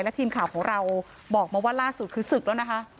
และทีมข่าวของเราบอกมาว่าล่าสุดคือศึกแล้วนะคะ